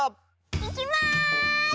いきます！